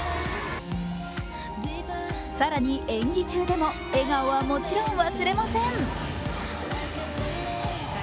更に演技中でも笑顔はもちろん忘れません。